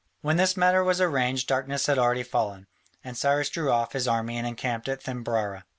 When this matter was arranged darkness had already fallen, and Cyrus drew off his army and encamped at Thymbrara.